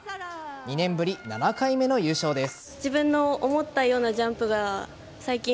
２年ぶり７回目の優勝です。